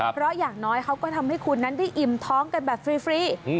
เพราะอย่างน้อยเขาก็ทำให้คุณนั้นได้อิ่มท้องกันแบบฟรี